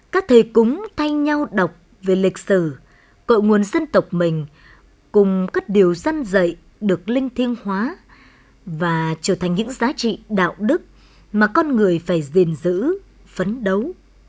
các thầy cúng thay nhau đọc về lịch sử cội nguồn dân tộc mình cùng các điều dân dạy được linh thiêng hóa và trở thành những giá trị đạo đức mà con người phải gìn giữ phấn đấu